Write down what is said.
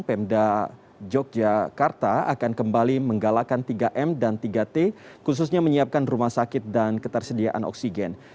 pemda yogyakarta akan kembali menggalakan tiga m dan tiga t khususnya menyiapkan rumah sakit dan ketersediaan oksigen